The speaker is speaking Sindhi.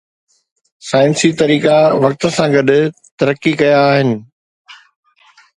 سائنسي طريقا وقت سان گڏ ترقي ڪيا آهن.